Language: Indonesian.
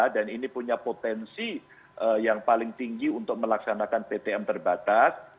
dan ini punya potensi yang paling tinggi untuk melaksanakan ptm terbatas